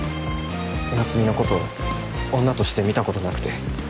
夏海のこと女として見たことなくて。